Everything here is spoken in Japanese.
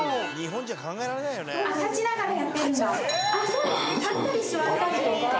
そうですね立ったり座ったりとか。